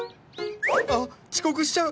あ遅刻しちゃう！